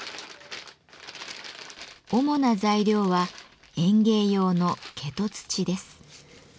主な材料は園芸用の化土土です。